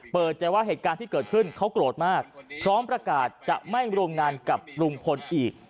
เปิดใจว่าเหตุการณ์ที่เกิดขึ้นเขาโกรธมากพร้อมประกาศจะไม่โรงงานกับลุงพลอีก